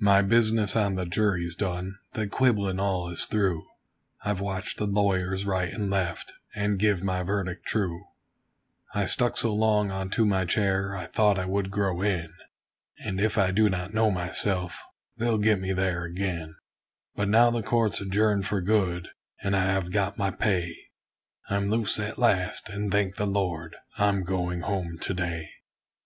My business on the jury's done the quibblin' all is through I've watched the lawyers right and left, and give my verdict true; I stuck so long unto my chair, I thought I would grow in; And if I do not know myself, they'll get me there ag'in; But now the court's adjourned for good, and I have got my pay; I'm loose at last, and thank the Lord, I'm going home to day.